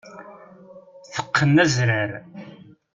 Teqqen azrar.